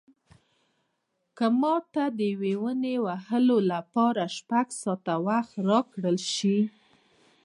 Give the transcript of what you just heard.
که ماته د یوې ونې وهلو لپاره شپږ ساعته وخت راکړل شي.